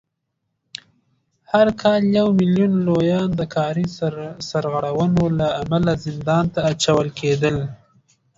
هر کال یو میلیون لویان د کاري سرغړونو له امله زندان ته اچول کېدل